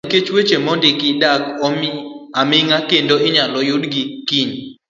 Mano nyalore nikech, weche mondiki dak aming'a kendo inyalo yudgi kiny.